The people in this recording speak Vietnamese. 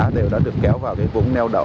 đều đã được kéo vào vũng nheo đảo